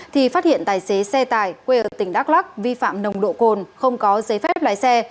thì phát hiện tài xế xe tải quê ở tỉnh đắk lắc vi phạm nồng độ cồn không có giấy phép lái xe